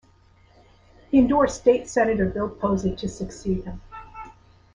He endorsed state Senator Bill Posey to succeed him.